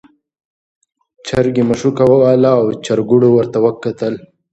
چرګې مښوکه وهله او چرګوړو ورته کتل.